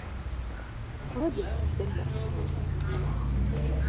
Pulojekiti tennatandika.